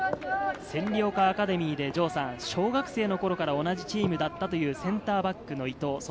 千里丘アカデミーで小学生の頃から同じチームだったというセンターバックの伊東。